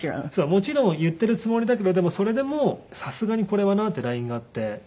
もちろん言ってるつもりだけどでもそれでもさすがにこれはなっていうラインがあって。